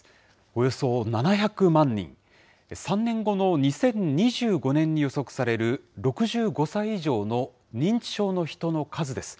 およそ７００万人、３年後の２０２５年に予測される６５歳以上の認知症の人の数です。